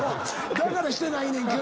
だからしてないねんけど。